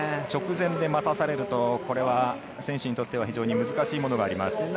直前で待たされると選手にとっては非常に難しいものがあります。